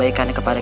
jangan bagi bahwa